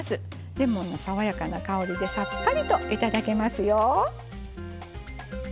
レモンの爽やかな香りでさっぱりと頂けますよ。